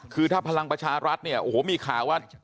คือถ้าพลังประชารัฐเนี่ยโอ้โหมีข่าวว่า